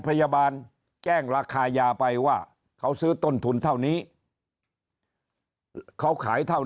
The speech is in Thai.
พยาบาลแจ้งราคายาไปว่าเขาซื้อต้นทุนเท่านี้เขาขายเท่า